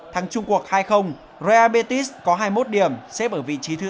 thắng trung quốc hai real métis có hai mươi một điểm xếp ở vị trí thứ tám